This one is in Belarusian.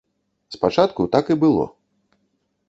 Спачатку так і было.